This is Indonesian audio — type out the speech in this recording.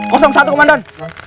kosong satu komandan